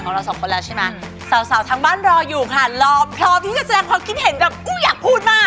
ว่าจะเราไปฟังกันดีกว่านะฮะว่า